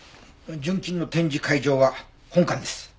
純金の展示会場は本館です。